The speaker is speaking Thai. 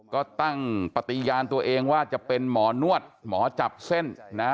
ก็ตั้งปฏิญาณตัวเองว่าจะเป็นหมอนวดหมอจับเส้นนะ